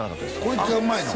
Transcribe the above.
こいつがうまいの？